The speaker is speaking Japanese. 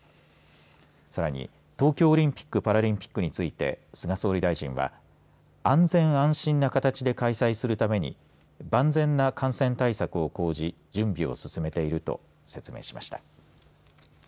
さらに東京オリンピックパラリンピックについて菅総理大臣は安全、安心な形で開催するために万全な感染対策を講じ準備を進めていると説明しました。